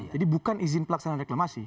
jadi bukan izin pelaksanaan reklamasi